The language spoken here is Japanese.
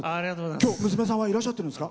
きょう、娘さんはいらっしゃってるんですか？